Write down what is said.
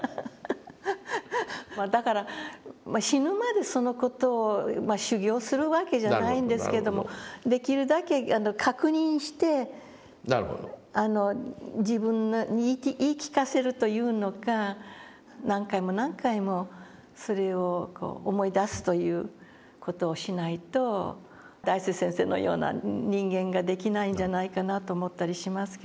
まあだから死ぬまでその事を修行するわけじゃないんですけどもできるだけ確認して自分に言い聞かせるというのか何回も何回もそれを思い出すという事をしないと大拙先生のような人間ができないんじゃないかなと思ったりしますけどね。